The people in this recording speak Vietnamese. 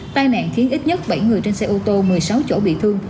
tai nạn khiến ít nhất bảy người trên xe ô tô một mươi sáu chỗ bị thương